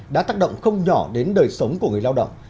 đã tác động không nhỏ đến đời sống của người lao động